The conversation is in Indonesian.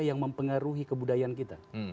yang mempengaruhi kebudayaan kita